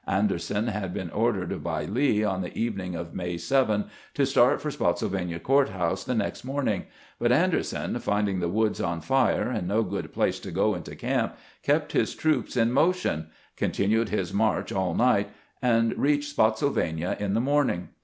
Anderson had been ordered by Lee, on the evening of May 7, to start for Spottsylvania Court house the next morning; but Anderson, finding the woods on fire, and no good place to go into camp, kept his troops in motion, continued his march all night, and reached Spottsylvania in the morning.